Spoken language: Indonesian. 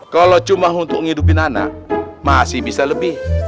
kalau cuma untuk ngidupin anak masih bisa lebih